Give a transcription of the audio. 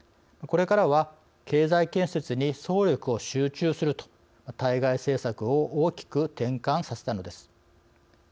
これからは経済建設に総力を集中すると対外政策を大きく転換させたのです。